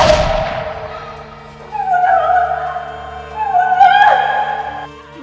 ibu bunda mama